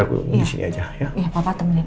aku disini aja iya papa temenin